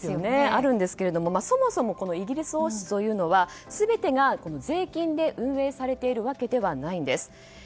あるんですが、そもそもこのイギリス王室というのは全てが税金で運営されているわけではないんです。